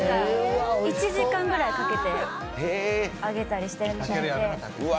１時間くらいかけて揚げたりしてるみたいで。